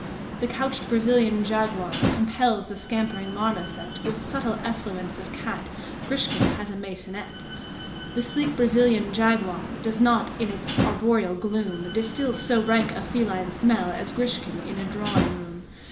The couched Brazilian jaguar Compels the scampering marmoset With subtle effluence of cat; Grishkin has a maisonette; The sleek Brazilian jaguar Does not in its arboreal gloom Distil so rank a feline smell As Grishkin in a drawing room.